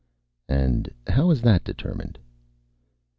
"And how is that determined?"